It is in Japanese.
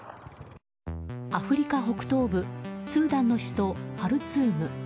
アフリカ北東部スーダンの首都ハルツーム。